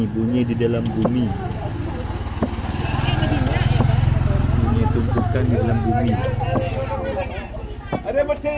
bunyi di dalam bumi bunyi di dalam bumi